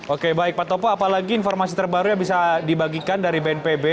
oke baik pak topo apalagi informasi terbaru yang bisa dibagikan dari bnpb